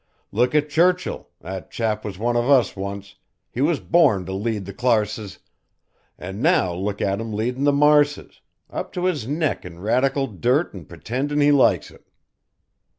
Look at Churchill, that chap was one of us once, he was born to lead the clarses, an' now look at him leadin' the marses, up to his neck in Radical dirt and pretendin' he likes it.